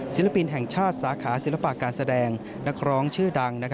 ศิลปินแห่งชาติสาขาศิลปะการแสดงนักร้องชื่อดัง